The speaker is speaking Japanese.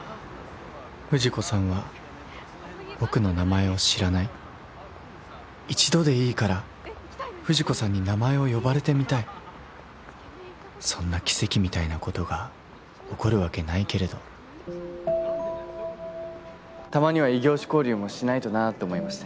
藤子さんは僕の名前を知らない一度でいいから藤子さんに名前を呼ばれてみたいそんな奇跡みたいなことが起こるわけないけれどたまには異業種交流もしないとなって思いまして。